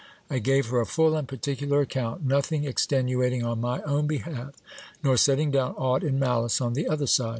I gave her a full and particular account : nothing extenuating on my own behalf, nor setting down aught in malice on the other side.